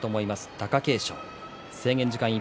貴景勝。